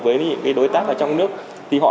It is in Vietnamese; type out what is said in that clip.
với những đối tác ở trong nước thì họ